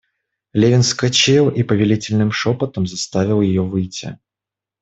Левин вскочил и повелительным шопотом заставил ее выйти.